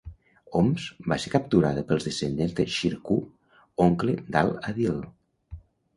Homs va ser capturada pels descendents de Shirkuh, oncle d'Al-Adil.